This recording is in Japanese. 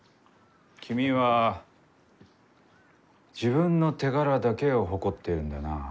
君は自分の手柄だけを誇っているんだな。